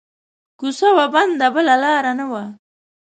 کو څه وه بنده بله لار نه وه